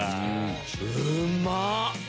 うまっ！